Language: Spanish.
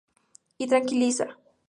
Y tranquiliza.